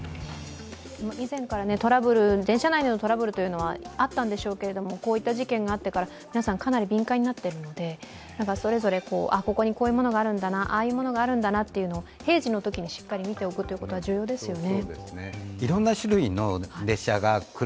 以前から電車内でのトラブルはあったんでしょうけれども、こういった事件があってから皆さん、かなり敏感になっているのでそれぞれ、ここにこういうものがあるんだな、ああいうものがあるんだなと平時のときにしっかり見ておくことが重要ですよね。